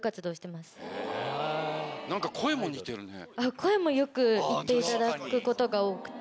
声もよく言っていただくことが多くて。